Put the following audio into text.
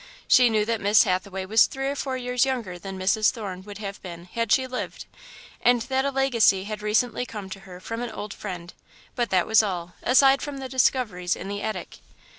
She knew that Miss Hathaway was three or four years younger than Mrs. Thorne would have been, had she lived, and that a legacy had recently come to her from an old friend, but that was all, aside from the discoveries in the attic.